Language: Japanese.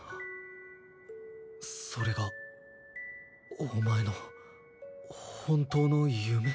それがお前の本当の夢？